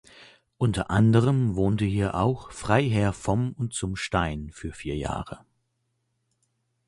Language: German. Unter anderen wohnte hier auch Freiherr vom und zum Stein für vier Jahre.